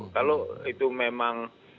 kalau itu memang